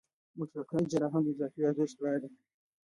مطلقه اجاره هم د اضافي ارزښت بیه ده